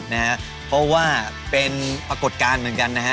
นะฮะเพราะว่าเป็นปรากฏการณ์เหมือนกันนะฮะ